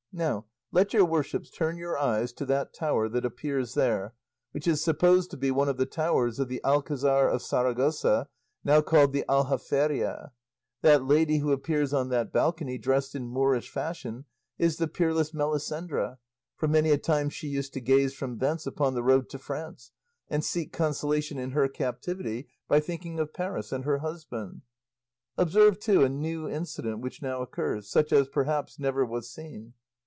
Now let your worships turn your eyes to that tower that appears there, which is supposed to be one of the towers of the alcazar of Saragossa, now called the Aljaferia; that lady who appears on that balcony dressed in Moorish fashion is the peerless Melisendra, for many a time she used to gaze from thence upon the road to France, and seek consolation in her captivity by thinking of Paris and her husband. Observe, too, a new incident which now occurs, such as, perhaps, never was seen.